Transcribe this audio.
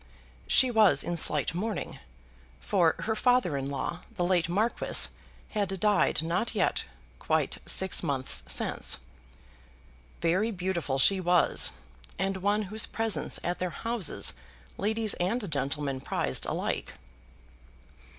She was in slight mourning; for her father in law, the late Marquis, had died no t yet quite six months since. Very beautiful she was, and one whose presence at their houses ladies and gentlemen prized alike.